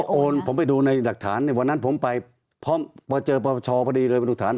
โอนผมไปดูในหลักฐานในวันนั้นผมไปพร้อมพอเจอประชอพอดีเลยไปดูฐาน